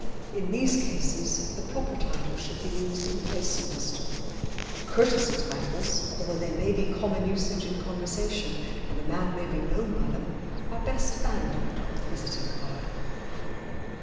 In these cases the proper title should be used in place of "Mr." Courtesy titles, although they may be common usage in conversation and a man may be known by them, are best abandoned on the visiting card.